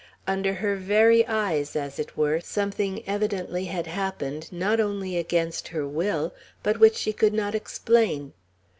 Under her very eyes, as it were, something evidently had happened, not only against her will, but which she could not explain.